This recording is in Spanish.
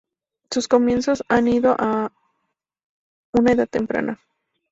Su comienzos han ido a una edad temprana.